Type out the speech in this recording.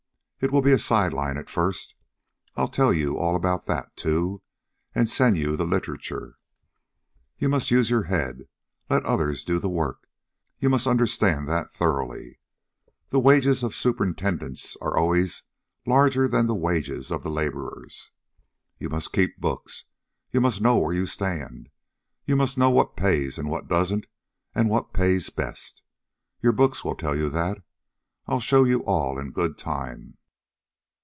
It will be a side line at first. I'll tell you all about that, too, and send you the literature. You must use your head. Let others do the work. You must understand that thoroughly. The wages of superintendence are always larger than the wages of the laborers. You must keep books. You must know where you stand. You must know what pays and what doesn't and what pays best. Your books will tell that. I'll show you all in good time."